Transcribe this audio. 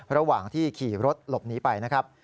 ระหว่างที่ขี่รถหลบหนีไปนะครับ